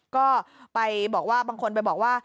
ก็ไปบอกว่าบางคนไปบอกว่า